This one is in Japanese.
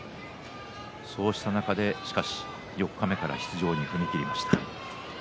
そうした中で四日目から出場に踏み切りました。